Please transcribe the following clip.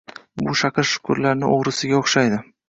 Bu shaqir-shuqurlarni o‘g‘risiga o’xshaydi.